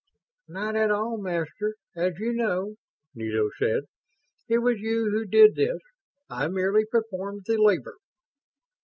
"Not at all, Master, as you know," Nito said. "It was you who did this. I merely performed the labor."